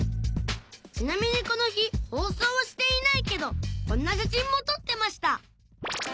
ちなみにこの日放送はしていないけどこんな写真も撮ってました